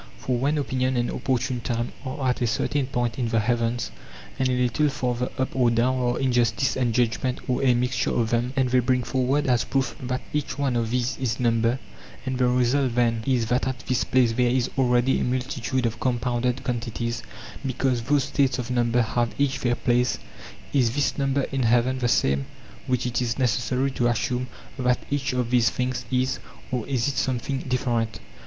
For when opinion and opportune time are at a certain point in the heavens, PYTHAGORAS AND THE PYTHAGOREANS 141 and a little farther up or down are injustice and judg ment or a mixture of them, and they bring forward as proof that each one of these is number, and the result then is that at this place there is already a multitude of compounded quantities because those states of number have each their place—is this number in heaven the same which it is necessary to assume that each of these things is, or is it something different